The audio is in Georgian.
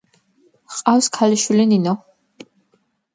ჰყავს ქალიშვილი ნინო.